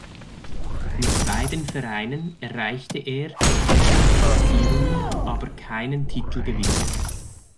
Mit beiden Vereinen erreichte er gute Platzierungen, aber keinen Titelgewinn.